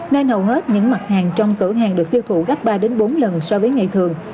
nên hầu hết những mặt hàng trong cửa hàng được tiêu thụ gấp ba bốn lần so với ngày thường